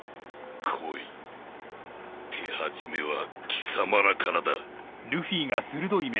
手始めは貴様らからだ。